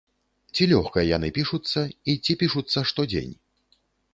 Ці лёгка яны пішуцца, і ці пішуцца штодзень?